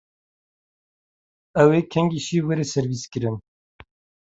Ew ê kengî şîv were servîskirin?